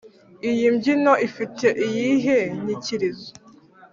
iyi mbyino ifite iyihe nyikirizo?